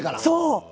そう。